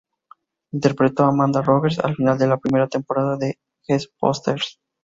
Interpretó a Amanda Rogers al final de la primera temporada de The Fosters.